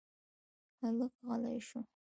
هلک غلی شو.